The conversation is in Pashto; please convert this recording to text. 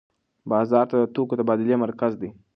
بازار د توکو د تبادلې مرکز دی.